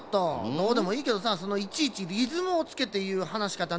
どうでもいいけどさそのいちいちリズムをつけていうはなしかた